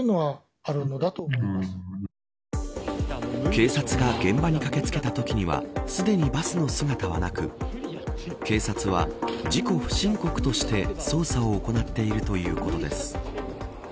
警察が現場に駆けつけたときにはすでにバスの姿はなく警察は、事故不申告として捜査を行っているということです。